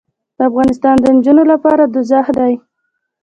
دافغانستان د نجونو لپاره دوزخ دې